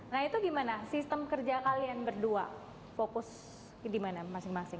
nah itu gimana sistem kerja kalian berdua fokus di mana masing masing